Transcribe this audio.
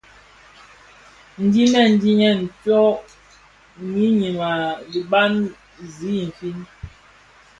Ndiñiyèn diiyèn tsög yiñim a dhiba zi infin.